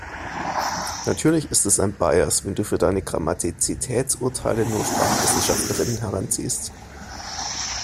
Natürlich ist es ein Bias, wenn du für deine Grammatizitätsurteile nur SprachwissenschaftlerInnen heranziehst.